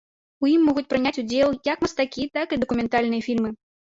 У ім могуць прыняць удзел як мастацкія, так і дакументальныя фільмы.